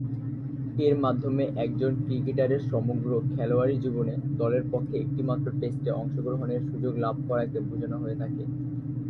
এর মাধ্যমে একজন ক্রিকেটারের সমগ্র খেলোয়াড়ী জীবনে দলের পক্ষে একটিমাত্র টেস্টে অংশগ্রহণের সুযোগ লাভ করাকে বুঝানো হয়ে থাকে।